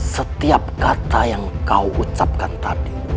setiap kata yang kau ucapkan tadi